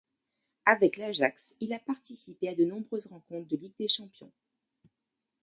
Avec l'Ajax, il a participé à de nombreuses rencontres de ligue des champions.